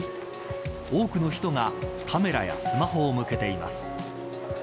多くの人がカメラやスマホを向けています。